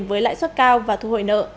với lãi suất cao và thu hội nợ